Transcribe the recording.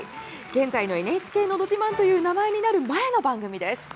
現在の「ＮＨＫのど自慢」という名前になる前の番組です。